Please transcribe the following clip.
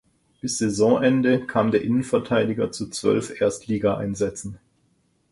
Bis Saisonende kam der Innenverteidiger zu zwölf Erstligaeinsätzen.